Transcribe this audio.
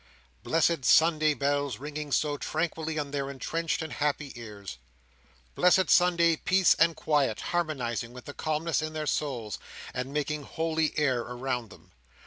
Blessed Sunday Bells, ringing so tranquilly in their entranced and happy ears! Blessed Sunday peace and quiet, harmonising with the calmness in their souls, and making holy air around them!